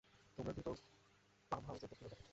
তোমরা দুইজন পাম্প হাউসের দক্ষিণে যাও।